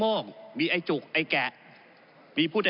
ก็ได้มีการอภิปรายในภาคของท่านประธานที่กรกครับ